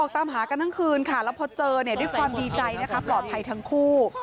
ออกตามหากันทั้งคืนค่ะและเจอความปลอดภัยทั้งคู่